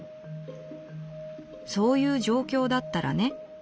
『そういう状況だったらね』」。